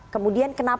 kemudian kenapa itu